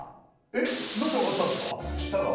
えっ何で分かったんすか？